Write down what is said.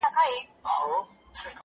تا مي غریبي راته پیغور کړله ,